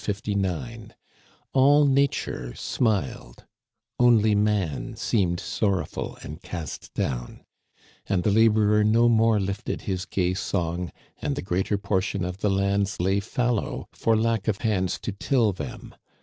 ^.11 Nature smiled ; only man seemed sorrowful and cast down ; and the laborer no more lifted his gay song, and the greater portion of the lands lay fallow for lack of hands to till them..